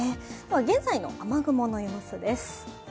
現在の雨雲の様子です。